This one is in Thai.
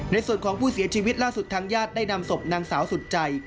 ในส่วนของผู้เสียชีวิตล่าสุดทางญาติได้นำศพนางสาวสุดใจ